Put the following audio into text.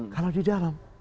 kalau di dalam